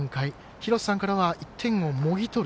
廣瀬さんからは１点をもぎ取る。